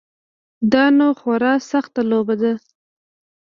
دا نو خورا سخته لوبه ده.